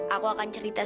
aku akan ceritakan